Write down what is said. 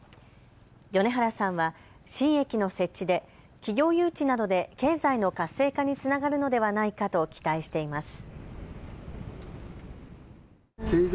米原さんは新駅の設置で企業誘致などで経済の活性化につながるのではないかと期待しています。